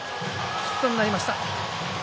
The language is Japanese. ヒットになりました。